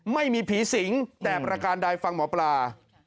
ไม่มีผีสิงแต่ประการใดฟังหมอปลา